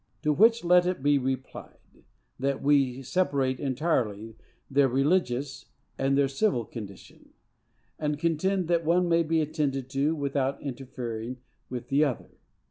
To which let it be replied, that we separate entirely their religious and their civil condition, and contend that the one may be attended to without interfering with the other.